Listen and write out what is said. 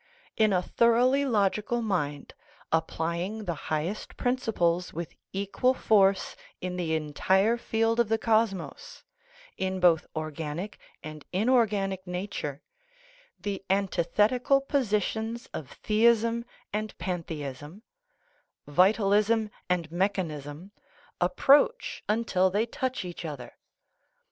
In a thoroughly logical mind, applying the highest principles with equal force in the entire field of the cosmos in both organic and inorganic nature the antithetical positions of theism and pantheism, vitalism and mechanism, approach until they touch each other.